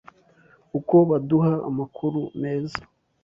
uko baduha amakuru meza